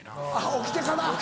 起きてから。